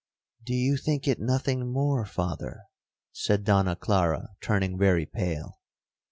'Do you think it nothing more, Father?' said Donna Clara, turning very pale.